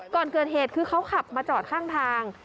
ก่อนเกิดเหตุคือเขาขับมาจอดข้างทาง